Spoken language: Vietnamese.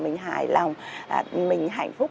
mình hài lòng mình hạnh phúc